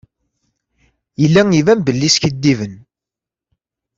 Yella iban belli skiddiben.